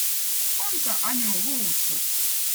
onko An̕u Luuttsõz